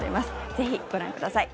ぜひご覧ください。